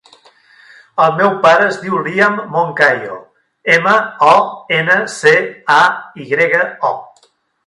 El meu pare es diu Liam Moncayo: ema, o, ena, ce, a, i grega, o.